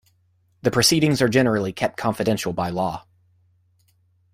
The proceedings are generally kept confidential by law.